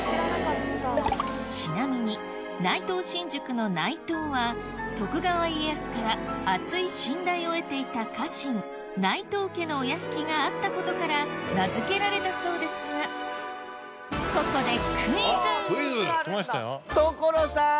ちなみに内藤新宿の「内藤」は徳川家康から厚い信頼を得ていた家臣内藤家のお屋敷があったことから名付けられたそうですがここで所さん！